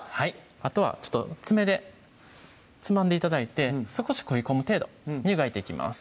あとはちょっと爪でつまんで頂いて少し食い込む程度に湯がいていきます